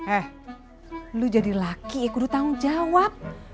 eh lu jadi laki iy kudu tanggung jawab